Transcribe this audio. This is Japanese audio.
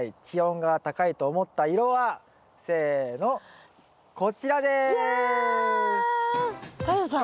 地温が高いと思った色はせのこちらです。